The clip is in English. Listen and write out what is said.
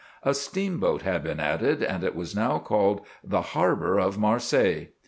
A steamboat had been added, and it was now called 'The Harbor of Marseilles.